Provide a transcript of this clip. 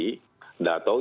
dato juga sudah diatur